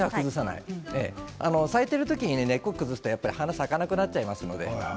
咲いている時に根っこを崩すと花が咲かなくなりますからね。